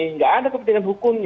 tidak ada kepentingan hukumnya